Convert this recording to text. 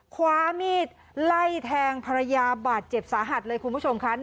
คว้ามีดไล่แทงภรรยาบาดเจ็บสาหัสเลยคุณผู้ชมค่ะ